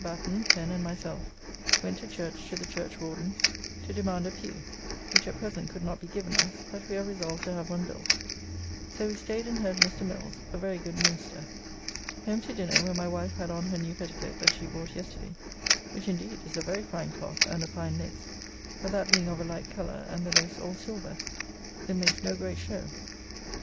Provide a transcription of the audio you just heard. Batten, Pen, and myself, went to church to the churchwardens, to demand a pew, which at present could not be given us, but we are resolved to have one built. So we staid and heard Mr. Mills;' a very, good minister. Home to dinner, where my wife had on her new petticoat that she bought yesterday, which indeed is a very fine cloth and a fine lace; but that being of a light colour, and the lace all silver, it makes no great show.